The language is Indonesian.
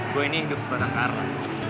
gue ini hidup sebatang karena